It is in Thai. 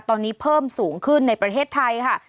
ตอนนี้เพิ่มสูงขึ้นในประเทศไทยค่ะ